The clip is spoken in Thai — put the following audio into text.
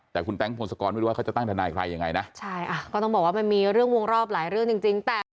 แต่คุณแต๊งพงศกรไม่รู้ว่าเขาจะตั้งทนายใครยังไงนะใช่อ่ะก็ต้องบอกว่ามันมีเรื่องวงรอบหลายเรื่องจริงจริงแต่